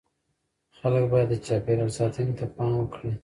خلک باید د چاپیریال ساتنې ته پام وکړي.